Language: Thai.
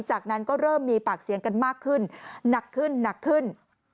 จากนั้นก็เริ่มมีปากเสียงกันมากขึ้นหนักขึ้นหนักขึ้น